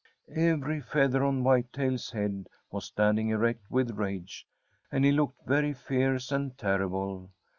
Every feather on Whitetail's head was standing erect with rage, and he looked very fierce and terrible.